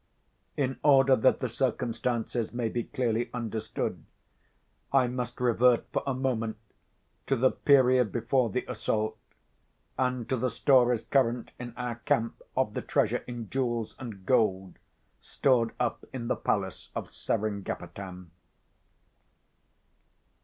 In order that the circumstances may be clearly understood, I must revert for a moment to the period before the assault, and to the stories current in our camp of the treasure in jewels and gold stored up in the Palace of Seringapatam.